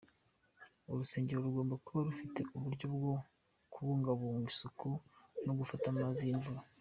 Urusengero rugomba kuba rufite uburyo bwo kubungabunga isuku no gufata amazi y'imvura.